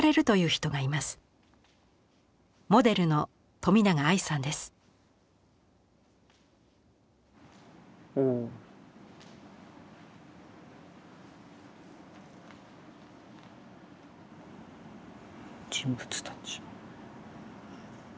「人物たち」。